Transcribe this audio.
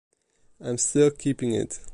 I am still keeping it.